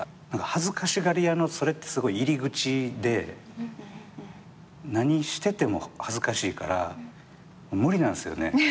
恥ずかしがり屋のそれってすごい入り口で何してても恥ずかしいから無理なんすよね。